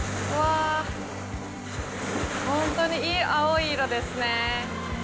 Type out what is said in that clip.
本当にいい青い色ですね。